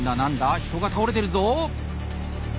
⁉人が倒れてるぞ！